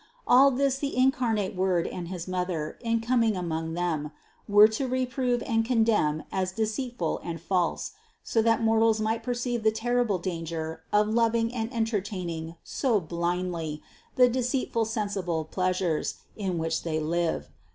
All this the incarnate Word and his Mother, in coming among them, were to reprove and condemn as deceitful and false, so that mor tals might perceive the terrible danger of loving and en tertaining so blindly the deceitful sensible pleasures, in which they live.